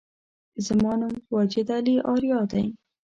زما نوم واجد علي آریا دی